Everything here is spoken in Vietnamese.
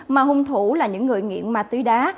mà hung thủ là những người nghiện ma túy đá